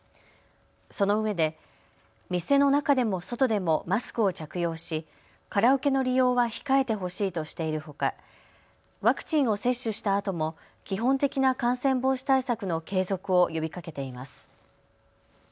そのうえで店の中でも外でもマスクを着用し、カラオケの利用は控えてほしいとしているほかワクチンを接種したあとも基本的な感染防止対策の継続を呼びかけています。